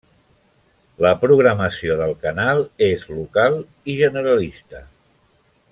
La programació del canal és local i generalista.